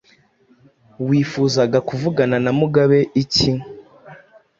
Wifuzaga kuvugana na Mugabe iki?